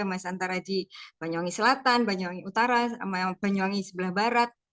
sama santaraji banyuwangi selatan banyuwangi utara sama banyuwangi sebelah barat